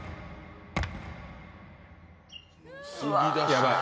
やばい。